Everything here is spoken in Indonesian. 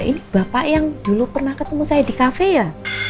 ini bapak yang dulu pernah ketemu saya di kafe ya